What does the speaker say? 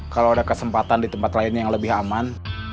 kalau ada kesempatan di tempat lain yang lebih aman